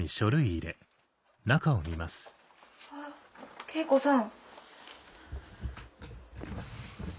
あっ敬子さん！